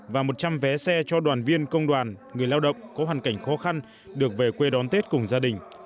và một trăm linh vé xe cho đoàn viên công đoàn người lao động có hoàn cảnh khó khăn được về quê đón tết cùng gia đình